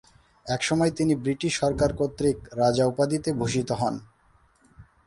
এসময় তিনি ব্রিটিশ সরকার কর্তৃক রাজা উপাধিতে ভূষিত হন।